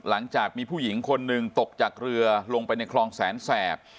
หลังจากมีผู้หญิงคนหนึ่งตกจากเรือลงไปในคลองแสนแสบ